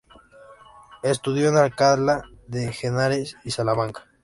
Estudió en Alcalá de Henares y Salamanca.